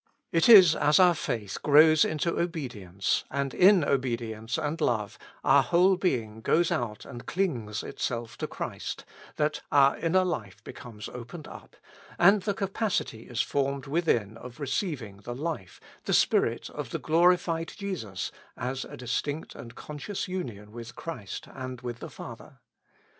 It is as our faith grows into obedience, and in obedience and love our whole being goes out and clings itself to Christ, that our inner life becomes opened up, and the capacity is formed within of re ceiving the life, the spirit, of the glorified Jesus, as a distinct and conscious union with Christ and with the Father.